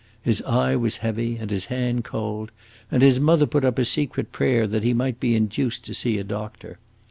His eye was heavy and his hand cold, and his mother put up a secret prayer that he might be induced to see a doctor.